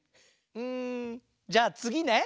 うんじゃあつぎね。